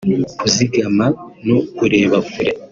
kuzigama no kureba kure